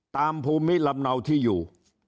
ภูมิลำเนาที่อยู่